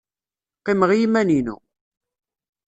Qqimeɣ i yiman-inu.